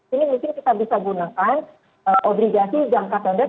ini mungkin kita bisa gunakan obligasi jangka pendek